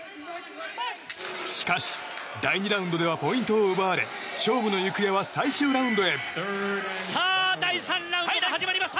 しかし、第２ラウンドではポイントを奪われ勝負の行方は最終ラウンドへ。